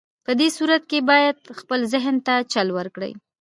په دې صورت کې بايد خپل ذهن ته چل ورکړئ.